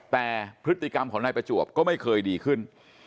แต่พฤติกรรมของนายประจวบก็ไม่เคยดีขึ้น